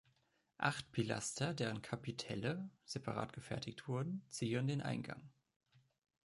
Acht Pilaster, deren Kapitelle separat gefertigt wurden, zieren den Eingang.